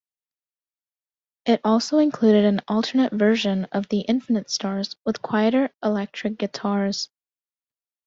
It also included an alternate version of "The Infinite Stars" with quieter electric guitars.